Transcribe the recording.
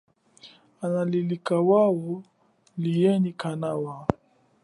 Hanalulika zuwo lienyi kanawa.